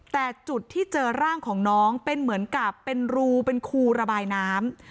แต่จุดที่เจอร่างของน้องเป็นเหมือนกับเป็นรูเป็นคูระบายน้ำ